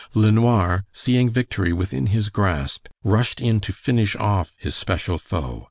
LeNoir, seeing victory within his grasp, rushed in to finish off his special foe.